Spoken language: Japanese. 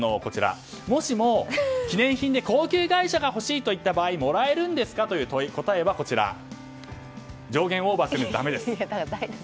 もしも記念品で高級外車が欲しいといった場合もらえるんですか？という問いの答えは上限をオーバーするのでだめです。